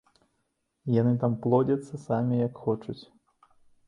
Яны там плодзяцца самі як хочуць.